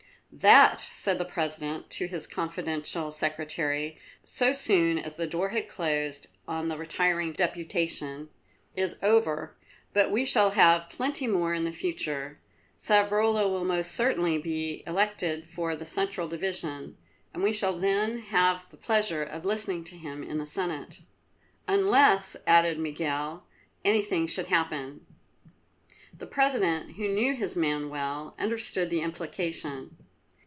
"That," said the President to his confidential secretary, so soon as the door had closed on the retiring deputation, "is over, but we shall have plenty more in the future. Savrola will most certainly be elected for the Central Division, and we shall then have the pleasure of listening to him in the Senate." "Unless," added Miguel, "anything should happen." The President, who knew his man well, understood the implication.